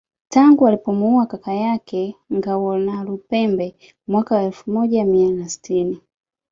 Tangu alipomuua kaka yake Ngawonalupembe mwaka wa elfu moja mia na sitini